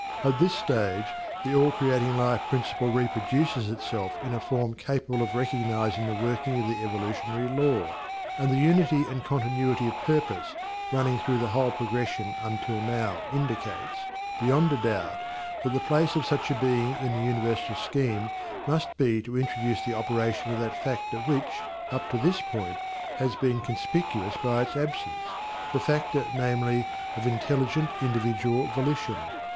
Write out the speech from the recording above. At this stage the all creating Life principle reproduces itself in a form capable of recognizing the working of the evolutionary law, and the unity and continuity of purpose running through the whole progression until now indicates, beyond a doubt, that the place of such a being in the universal scheme must be to introduce the operation of that factor which, up to this point, has been, conspicuous by its absence the factor, namely, of intelligent individual volition.